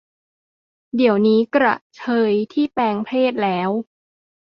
เดี๋ยวนี้กระเทยที่แปลงเพศแล้ว